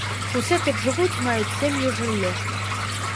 Усе тут жывуць, маюць сем'і, жыллё.